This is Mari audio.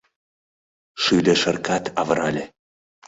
Шӱльӧ шыркат авырале.